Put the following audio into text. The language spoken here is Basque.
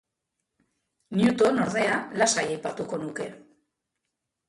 Newton, ordea, lasai aipatuko nuke.